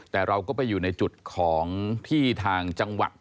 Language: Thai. แต่เราก็ไปอยู่ในจุดของที่ทางจังหวัด